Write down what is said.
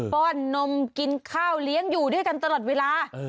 ้อนนมกินข้าวเลี้ยงอยู่ด้วยกันตลอดเวลา